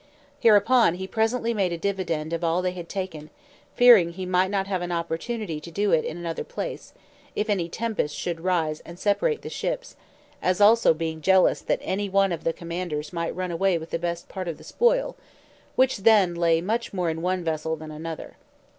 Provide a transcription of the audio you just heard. Hereupon he presently made a dividend of all they had taken, fearing he might not have an opportunity to do it in another place, if any tempest should rise and separate the ships, as also being jealous that any of the commanders might run away with the best part of the spoil, which then lay much more in one vessel than another.